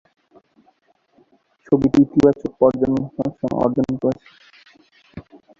ছবিটি ইতিবাচক পর্যালোচনা অর্জন করেছে।